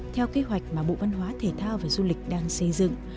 theo kế hoạch mà bộ văn hóa thể thao và du lịch đang xây dựng